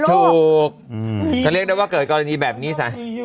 ถูกก็เรียกได้ว่าเกิดกรณีแบบนี้ซะ